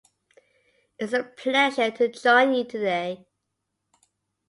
It's a pleasure to join you today.